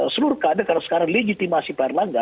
seluruh kader karena sekarang legitimasi payarlangga